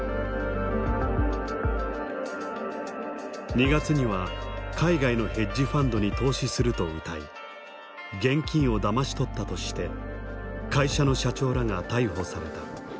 ２月には海外のヘッジファンドに投資するとうたい現金をだまし取ったとして会社の社長らが逮捕された。